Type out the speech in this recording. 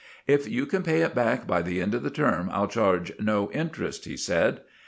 "If you can pay it back by the end of the term I'll charge no interest," he said.